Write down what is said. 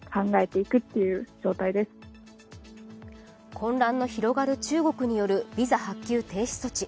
混乱の広がる中国によるビザ発給停止措置。